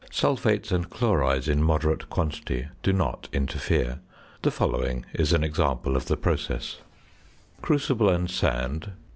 Sulphates and chlorides in moderate quantity do not interfere. The following is an example of the process: Crucible and sand 26.